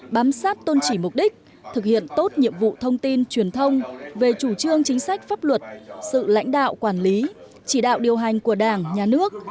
bám sát tôn trị mục đích thực hiện tốt nhiệm vụ thông tin truyền thông về chủ trương chính sách pháp luật sự lãnh đạo quản lý chỉ đạo điều hành của đảng nhà nước